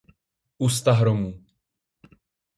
U sta hromů!